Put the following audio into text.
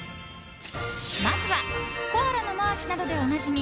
まずはコアラのマーチなどでおなじみ